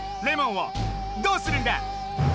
レモンをどうするんだ！